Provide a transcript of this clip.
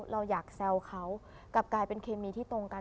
เราอยากแซวเขากลับกลายเป็นเคมีที่ตรงกัน